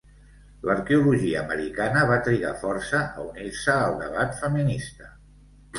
L'arqueologia americana va trigar força a unir-se al debat feminista.